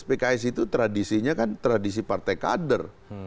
pks itu tradisinya kan tradisi partai kader